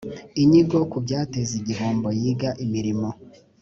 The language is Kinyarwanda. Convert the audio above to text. inyigo ku byateza igihombo yiga imirimo